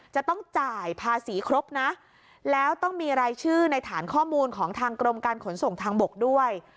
จะต้องจ่ายภาษีครบนะแล้วต้องมีรายชื่อในฐานข้อมูลของทางกรมการขนส่งทางบกด้วย